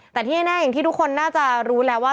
แต่ที่แน่อย่างที่ทุกคนน่าจะรู้แล้วว่า